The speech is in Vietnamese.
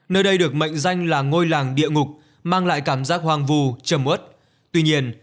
nơi đây được mệnh danh là ngôi làng địa ngục mang lại cảm giác hoang vu chầm út tuy nhiên